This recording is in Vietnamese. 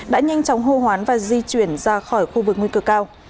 đã nhanh chóng hô hoán và di chuyển ra khỏi khu vực nguy cơ cao